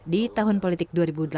di tahun politik dua ribu delapan belas